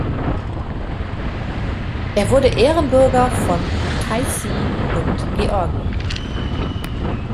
Er wurde Ehrenbürger von Kutaissi und Georgien.